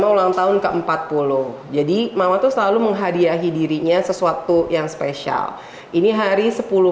sepuluh lima seribu sembilan ratus delapan puluh sembilan ulang tahun ke empat puluh jadi mama tuh selalu menghadiahi dirinya sesuatu yang spesial ini hari